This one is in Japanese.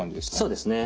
そうですね。